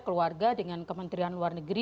keluarga dengan kementerian luar negeri